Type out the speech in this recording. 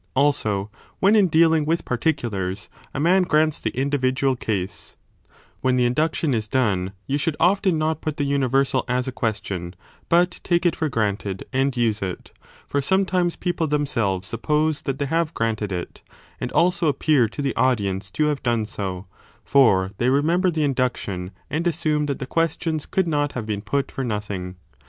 Also when, in dealing with particulars, a man grants the individual case, when the induction is done 3 you should often not put the universal 174*34. Read eVaya yoWa. CHAPTER XV i 74 a as a question, but take it for granted and use it : for some 35 times people themselves suppose that they have granted it, and also appear to the audience to have done so, for they remember the induction and assume that the questions could not have been put for nothing.